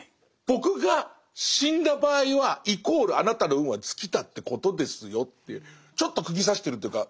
僕が死んだ場合はイコールあなたの運は尽きたってことですよってちょっとくぎ刺してるというか。